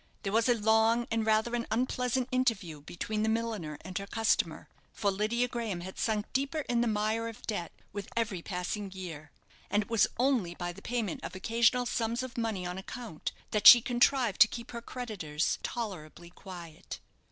There was a long and rather an unpleasant interview between the milliner and her customer, for Lydia Graham had sunk deeper in the mire of debt with every passing year, and it was only by the payment of occasional sums of money on account that she contrived to keep her creditors tolerably quiet.